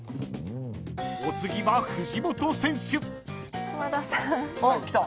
［お次は藤本選手］きた。